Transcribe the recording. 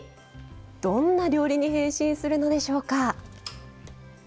どんな料理に変身するのでしょうか。